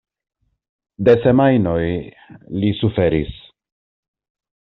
De semajnoj li suferis.